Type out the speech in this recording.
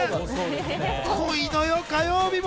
濃いのよ、火曜日も。